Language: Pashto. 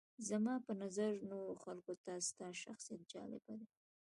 زما په نظر نورو خلکو ته ستا شخصیت جالبه دی.